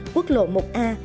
quốc lộ một a